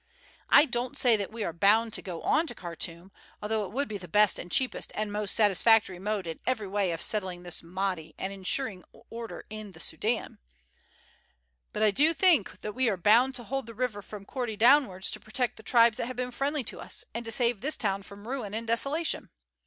I don't say that we are bound to go on to Khartoum, although it would be the best and cheapest and most satisfactory mode in every way of settling this Mahdi and ensuring order in the Soudan; but I do think that we are bound to hold the river from Korti downwards to protect the tribes that have been friendly to us, and to save this town from ruin and desolation.